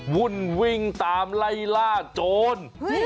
วุ่นวิ่งตามไล่ล่าโจร